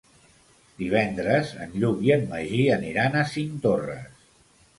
Divendres en Lluc i en Magí aniran a Cinctorres.